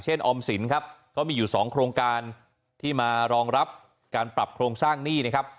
ออมสินครับก็มีอยู่๒โครงการที่มารองรับการปรับโครงสร้างหนี้นะครับ